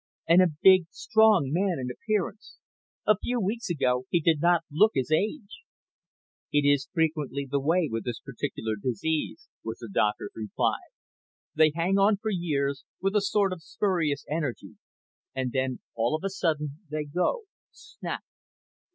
And a big, strong man in appearance! A few weeks ago he did not look his age." "It is frequently the way with this particular disease," was the doctor's reply. "They hang on for years, with a sort of spurious energy, and then, all of a sudden, they go snap."